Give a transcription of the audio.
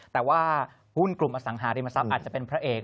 แต่ว่าหุ้นกลุ่มอสังหาริมทรัพย์อาจจะเป็นพระเอก